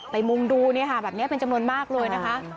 มุงดูแบบนี้เป็นจำนวนมากเลยนะคะ